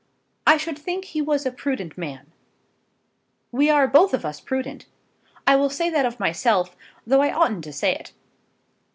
"I should think he was a prudent man." "We are both of us prudent. I will say that of myself, though I oughtn't to say it.